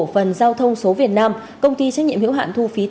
vượt nắng thắng mưa